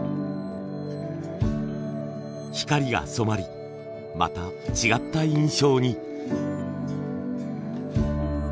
光が染まりまた違った印象に。